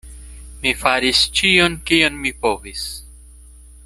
Mi faris ĉion, kion mi povis.